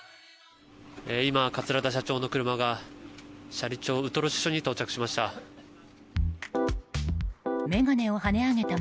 今、桂田社長の車が斜里町ウトロ支所に到着しました。